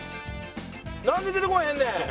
なんで出てこうへんねん！